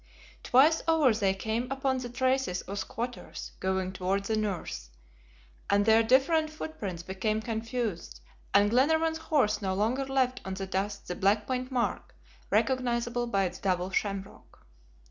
Twice over they came upon the traces of squatters going toward the north, and their different footprints became confused, and Glenarvan's horse no longer left on the dust the Blackpoint mark, recognizable by its double shamrock.